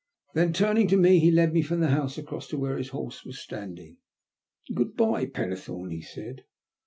Then, turning to me, he led me from the house across to where his horse was standing. •* Good bye, Pennethome," he said.